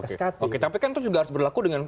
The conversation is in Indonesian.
skt oke tapi kan itu juga harus berlaku